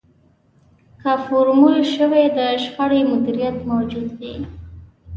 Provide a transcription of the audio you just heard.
که فورمول شوی د شخړې مديريت موجود وي.